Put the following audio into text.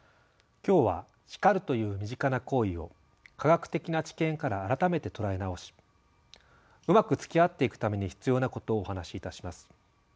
今日は「叱る」という身近な行為を科学的な知見から改めて捉え直しうまくつきあっていくために必要なことをお話しいたします。